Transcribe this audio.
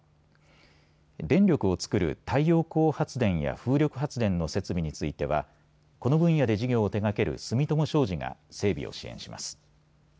電力を作る太陽光発電や風力発電の設備についてはこの分野で事業を手がける住友商事が整備を支援します。